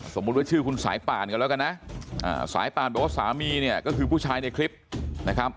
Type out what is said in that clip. สมมุติว่าชื่อคุณสายป่านกันแล้วกันนะสายป่านบอกว่าสามีเนี่ยก็คือผู้ชายในคลิปนะครับ